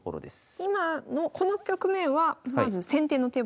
今のこの局面はまず先手の手番